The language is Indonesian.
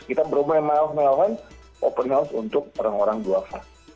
kita berbuka puasa memang mewahkan open house untuk orang orang buah